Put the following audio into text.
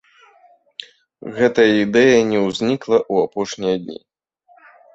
Гэтая ідэя не ўзнікла ў апошнія дні.